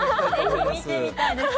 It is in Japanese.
ぜひ見てみたいです。